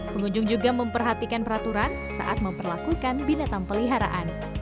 pengunjung juga memperhatikan peraturan saat memperlakukan binatang peliharaan